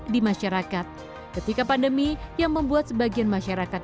di masyarakat ketika pandemi yang membuat sebagian masyarakat